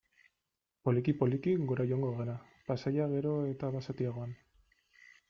Poliki-poliki gora joango gara, paisaia geroz eta basatiagoan.